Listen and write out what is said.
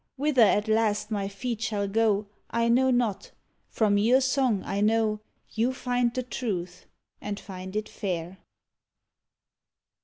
Whither at last my feet shall go I know not: from your song I know You find the truth, and find it fair.